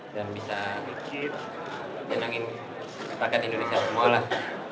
dan bisa jenangin rakyat indonesia semua lah